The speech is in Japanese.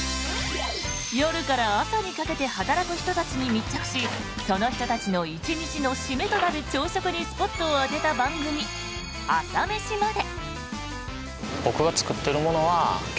夜から朝にかけて働く人たちに密着しその人たちの１日の締めとなる朝食にスポットを当てた番組「朝メシまで。」。